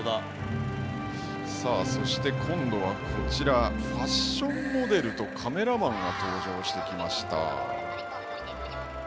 そして、今度はファッションモデルとカメラマンが登場してきました。